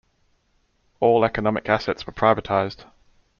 All economic assets were privatised.